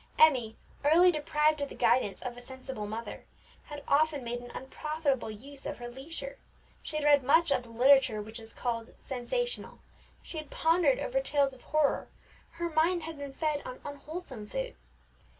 Emmie, early deprived of the guidance of a sensible mother, had often made an unprofitable use of her leisure; she had read much of the literature which is called sensational; she had pondered over tales of horror; her mind had been fed on unwholesome food.